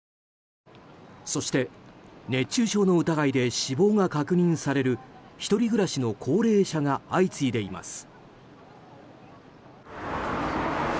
そして、熱中症の疑いで死亡が確認される１人暮らしの高齢者が相次いでいます。